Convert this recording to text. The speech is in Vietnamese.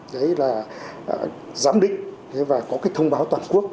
đấy là giám định và có cái thông báo toàn quốc